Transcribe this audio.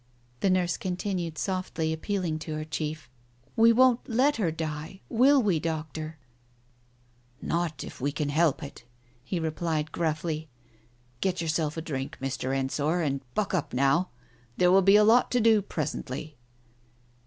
The nurse continued, softly, appealing to her chief. "We won't let her die, will we, Doctor !" "Not if we can help it," he replied gruffly. "Get yourself a drink, Mr. Ensor, and buck up now ! There will be a lot to do presently."